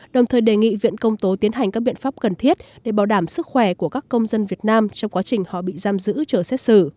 đồng thời đề nghị viện công tố tiến hành các biện pháp cần thiết để bảo đảm sức khỏe của các công dân việt nam trong quá trình họ bị giam giữ chờ xét xử